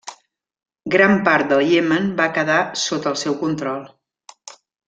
Gran part del Iemen va quedar sota el seu control.